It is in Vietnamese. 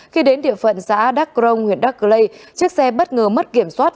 khi đến địa phận xã đắc grong huyện đắc lây chiếc xe bất ngờ mất kiểm soát